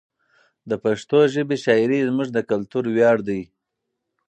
د پښتو ژبې شاعري زموږ د کلتور ویاړ ده.